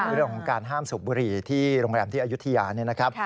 เรื่องของการห้ามสูบบุหรี่ที่โรงแรมที่อายุทยาเนี่ยนะครับ